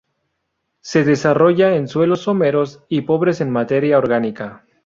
Se desarrolla en suelos someros y pobres en materia orgánica.